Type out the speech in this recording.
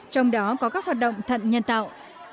trong đó có các hoạt động thần nhân tạo